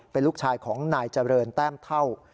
เป็นลูกชายของนายเจริญแต้มเท่า